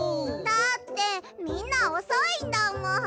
だってみんなおそいんだもん。